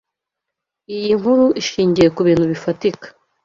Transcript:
Iyi nkuru ishingiye kubintu bifatika.